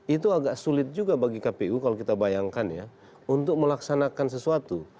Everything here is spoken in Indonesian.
itu agak sulit juga bagi kpu kalau kita bayangkan ya untuk melaksanakan sesuatu